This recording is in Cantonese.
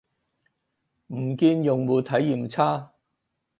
唔見用戶體驗差